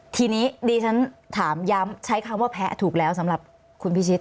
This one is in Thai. ทีนี้ดิฉันถามย้ำใช้คำว่าแพ้ถูกแล้วสำหรับคุณพิชิต